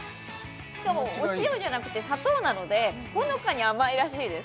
しかもお塩じゃなくて砂糖なのでほのかに甘いらしいです